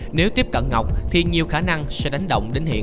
do vậy nếu tiếp cận ngọc thì nhiều khả năng sẽ đánh động đến hiển